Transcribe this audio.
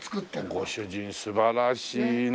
ご主人素晴らしいね。